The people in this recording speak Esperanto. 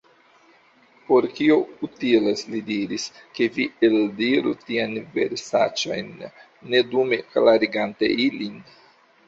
"Por kio utilas," li diris, "ke vi eldiru tiajn versaĉojn, ne dume klarigante ilin?